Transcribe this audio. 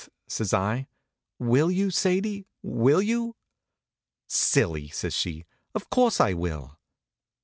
says I. "Will you, Sadie; will you?" "Silly!" says she. "Of course I will."